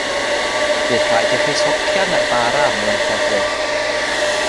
Bydd rhaid i chi socian y bara mewn llefrith.